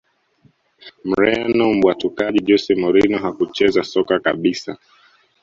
Mreno mbwatukaji Jose Mourinho hakucheza soka kabisa